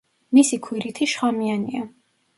მისი ქვირითი შხამიანია.